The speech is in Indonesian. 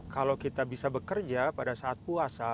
kalau kita bisa bekerja pada saat puasa